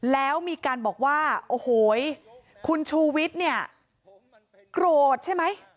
แล้วมีการบอกว่าโอ้โฮคุณชูวิทรเขล่าใช่ไหม